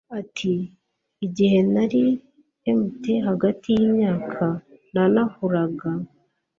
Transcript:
ati igihe nari m te hagati y imyaka na nahuraga